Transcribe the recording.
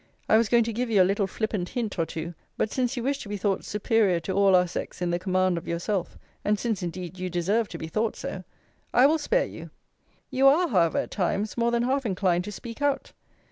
I was going to give you a little flippant hint or two. But since you wish to be thought superior to all our sex in the command of yourself; and since indeed you deserve to be thought so; I will spare you. You are, however, at times, more than half inclined to speak out.